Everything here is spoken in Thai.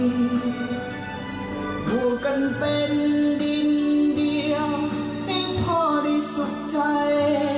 หมวกันเป็นดินเดียวให้พ่อรู้สุขใจ